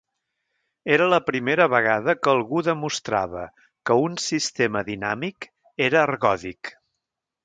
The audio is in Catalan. Era la primera vegada que algú demostrava que un sistema dinàmic era ergòdic.